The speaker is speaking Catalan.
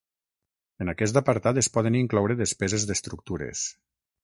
En aquest apartat es poden incloure despeses d'estructures.